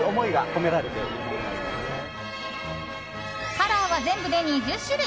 カラーは全部で２０種類。